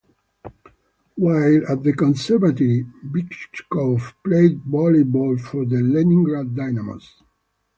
While at the Conservatory, Bychkov played volleyball for the Leningrad Dynamos.